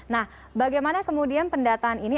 nah bagaimana kemudian pendataan ini